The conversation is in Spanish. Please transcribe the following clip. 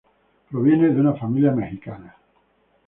Proviene de una familia mexicana.